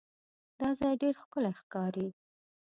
دا ځای ډېر ښکلی ښکاري.